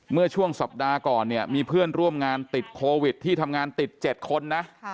เมื่อช่วงสัปดาห์ก่อนเนี่ยมีเพื่อนร่วมงานติดโควิดที่ทำงานติด๗คนนะ